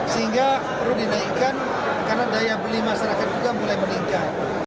sehingga perlu dinaikkan karena daya beli masyarakat juga mulai meningkat